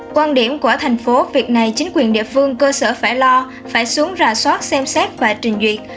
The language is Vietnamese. quan điểm của thành phố việc này chính quyền địa phương cơ sở phải lo phải xuống rà soát xem xét và trình duyệt